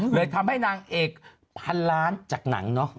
เลยทำให้นางเอกพันล้านจากหนังเนาะ